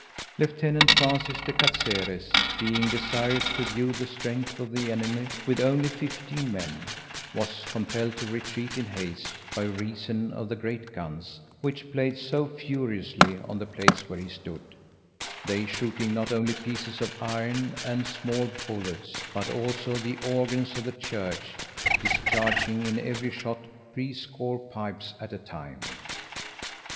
Lieutenant Francis de Cazeres, being desirous to view the strength of the enemy, with only fifteen men, was compelled to retreat in haste, by reason of the great guns, which played so furiously on the place where he stood; they shooting, not only pieces of iron, and small bullets, but also the organs of the church, discharging in every shot threescore pipes at a time.